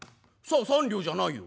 ３両じゃないよ！